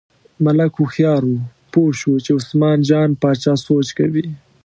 ملک هوښیار و، پوه شو چې عثمان جان باچا سوچ کوي.